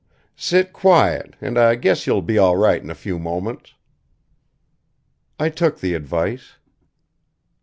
"Sit quiet, and I guess you'll be all right in a few moments." I took the advice.